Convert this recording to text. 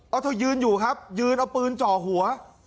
เอาเธอยืนอยู่ครับยืนเอาปืนจ่อหัว